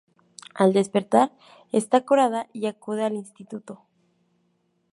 Al despertar está curada y acude al instituto.